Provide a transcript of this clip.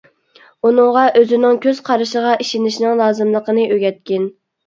ئۇنىڭغا ئۆزىنىڭ كۆز قارىشىغا ئىشىنىشنىڭ لازىملىقىنى ئۆگەتكىن.